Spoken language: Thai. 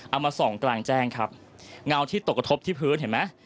เอามาส่องกลางแจ้งครับเงาที่ตกกระทบที่พื้นเห็นไหม